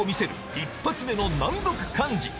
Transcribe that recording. １発目の難読漢字